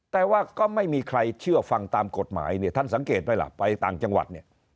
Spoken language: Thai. แต่ว่าก็ไม่มีใครเชื่อฟังตามกฎหมายเนี่ยท่านสังเกตไหมล่ะไปต่างจังหวัดเนี่ย